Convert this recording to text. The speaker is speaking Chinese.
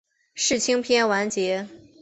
世青篇完结。